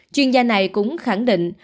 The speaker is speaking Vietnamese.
chuyên gia này cũng khẳng định